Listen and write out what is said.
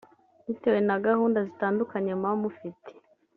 Bitewe na gahunda zitandukanye muba mufite